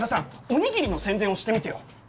お握りの宣伝をしてみてよ。